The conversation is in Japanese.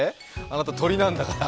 あなた鳥なんだから。